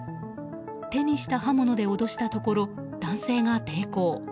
手にした刃物で脅したところ男性が抵抗。